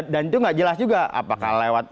dan itu gak jelas juga apakah lewat